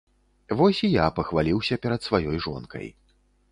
Вось і я пахваліўся перад сваёй жонкай.